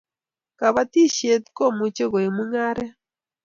kabatishiet komuchi koek mungaret